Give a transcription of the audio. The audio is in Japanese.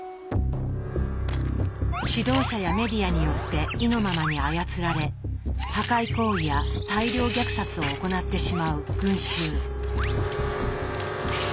指導者やメディアによって意のままに操られ破壊行為や大量虐殺を行ってしまう群衆。